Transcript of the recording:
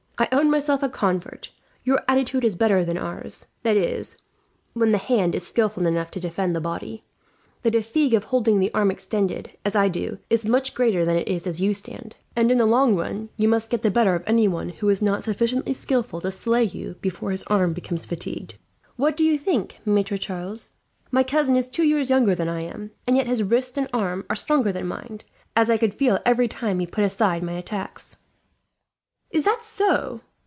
"I own myself a convert. Your attitude is better than ours that is, when the hand is skilful enough to defend the body. The fatigue of holding the arm extended, as I do, is much greater than it is as you stand; and in the long run you must get the better of anyone who is not sufficiently skilful to slay you before his arm becomes fatigued. "What do you think, Maitre Charles? My cousin is two years younger than I am, and yet his wrist and arm are stronger than mine, as I could feel every time he put aside my attacks." "Is that so?"